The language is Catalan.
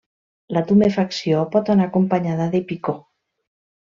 La tumefacció pot anar acompanyada de picor.